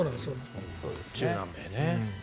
中南米ね。